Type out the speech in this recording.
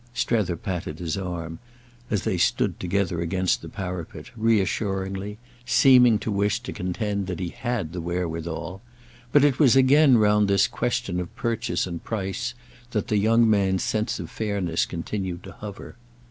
Strether patted his arm, as they stood together against the parapet, reassuringly—seeming to wish to contend that he had the wherewithal; but it was again round this question of purchase and price that the young man's sense of fairness continued to hover.